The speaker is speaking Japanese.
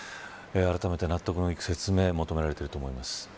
あらためて納得のいく説明が求められていると思います。